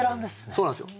そうなんですよ。